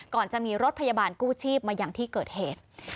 ก่อนจะมีรถพยาบาลกู้ชีพมาอย่างที่เกิดเหตุ